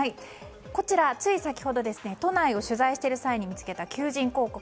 こちら、つい先ほど都内を取材している際に見つけた求人広告。